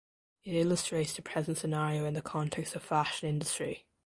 It illustrates the present scenario in the context of fashion industry.